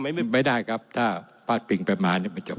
ไม่ได้ครับถ้าพัดปิงไปมา